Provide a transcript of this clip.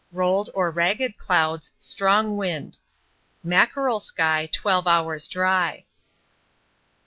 Rolled or ragged clouds, strong wind. "Mackerel" sky, twelve hours dry.